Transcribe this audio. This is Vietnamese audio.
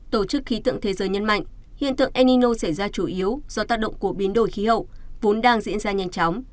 tổ chức khí tượng thế giới nhấn mạnh hiện tượng enino xảy ra chủ yếu do tác động của biến đổi khí hậu vốn đang diễn ra nhanh chóng